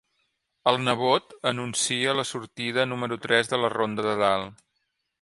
El nebot anuncia la sortida número tres de la Ronda de Dalt.